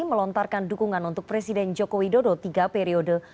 melontarkan dukungan untuk presiden joko widodo tiga periode